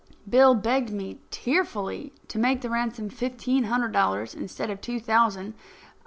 Bill begged me tearfully to make the ransom fifteen hundred dollars instead of two thousand.